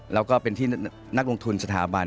แล้วก็เป็นที่นักลงทุนสถาบัน